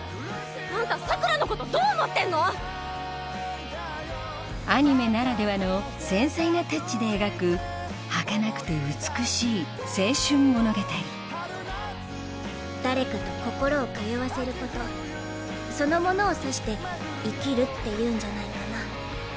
あんた桜良のことどう思ってんの⁉アニメならではの繊細なタッチで描くはかなくて美しい青春物語誰かと心を通わせることそのものを指して生きるっていうんじゃないかな。